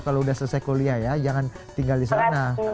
kalau sudah selesai kuliah ya jangan tinggal di sana